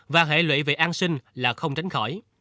và hệ lụy về an sinh là không tránh khỏi